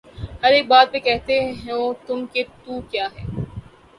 ہر ایک بات پہ کہتے ہو تم کہ تو کیا ہے